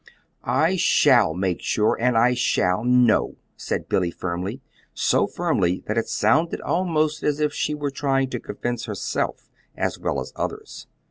"I shall make sure, and I shall know," said Billy, firmly so firmly that it sounded almost as if she were trying to convince herself as well as others.